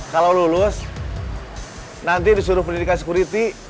kalau lulus nanti disuruh pendidikan security